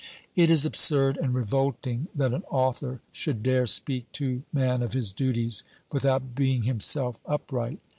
It is absurd and revolting that an author should dare speak to man of his duties without being himself upright.